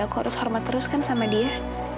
aku harus hormat terus kan sama dia